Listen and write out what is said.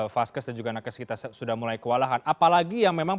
vaskes dan juga nakes kita sudah mulai kewalahan apalagi yang memang